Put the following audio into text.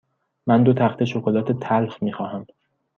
من دو تخته شکلات تلخ می خواهم.